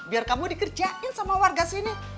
biar kamu dikerjain sama warga sini